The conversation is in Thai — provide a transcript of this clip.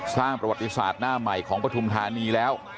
สร้างประวัติศาสตร์หน้าใหม่ของปฐุมธานีแล้ว